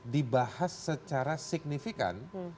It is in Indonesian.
dibahas secara signifikan